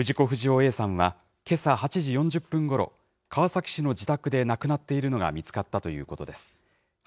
不二雄Ａさんはけさ８時４０分ごろ、川崎市の自宅で亡くなっているのが見つかったということです。